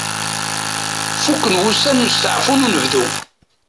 Fukken wussan n usteɛfu n unebdu.